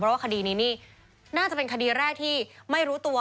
เพราะว่าคดีนี้นี่น่าจะเป็นคดีแรกที่ไม่รู้ตัว